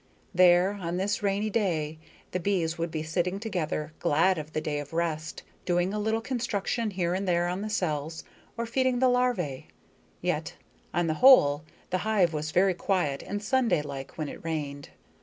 There, on this rainy day, the bees would be sitting together, glad of the day of rest, doing a little construction here and there on the cells, or feeding the larvæ. Yet, on the whole, the hive was very quiet and Sunday like when it rained.